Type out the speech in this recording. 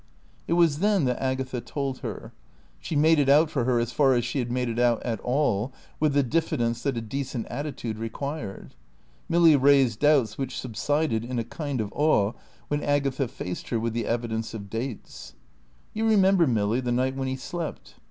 It was then that Agatha told her. She made it out for her as far as she had made it out at all, with the diffidence that a decent attitude required. Milly raised doubts which subsided in a kind of awe when Agatha faced her with the evidence of dates. "You remember, Milly, the night when he slept."